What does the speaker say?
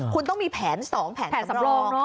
คุณต้องมีแผน๒แผนสำรอง